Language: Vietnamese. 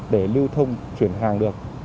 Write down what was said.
để lưu thông chuyển hàng được